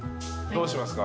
どうしますか？